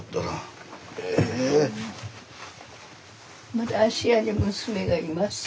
まだ芦屋に娘がいます。